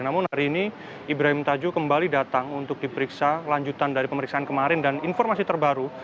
namun hari ini ibrahim tajuh kembali datang untuk diperiksa lanjutan dari pemeriksaan kemarin dan informasi terbaru